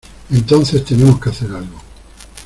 Entonces, tenemos que hacer algo.